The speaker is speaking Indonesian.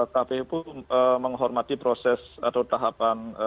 kpu pun menghormati proses atau tahapan